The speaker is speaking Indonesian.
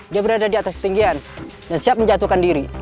dia berada di atas ketinggian dan siap menjatuhkan diri